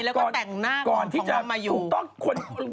แล้วก็แต่งหน้าของน้ำมายูก่อนที่จะถูกต้อง